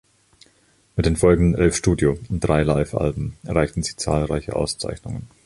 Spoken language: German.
Mit den folgenden elf Studio- und drei Livealben erreichte sie zahlreiche Auszeichnungen.